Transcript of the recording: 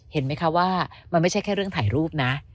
เห็นไหมคะว่ามันไม่ใช่แค่เรื่องถ่ายรูปนะ